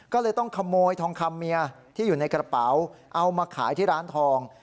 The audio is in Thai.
ก็เลยต้องขโมยทองคำเมียที่อยู่ในกระเป๋าเอามาขายที่ร้านทอง